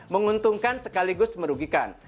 menguntungkan sekaligus merugikan